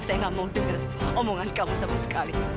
saya nggak mau dengar omongan kamu sama sekali